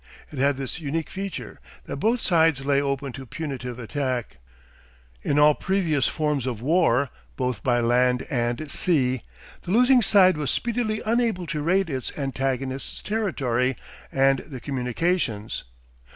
It had this unique feature, that both sides lay open to punitive attack. In all previous forms of war, both by land and sea, the losing side was speedily unable to raid its antagonist's territory and the communications.